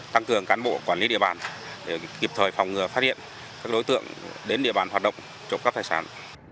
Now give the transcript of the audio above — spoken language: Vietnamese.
tăng cường cán bộ quản lý địa bàn để kịp thời phòng ngừa phát hiện các đối tượng đến địa bàn hoạt động trộm cắp tài sản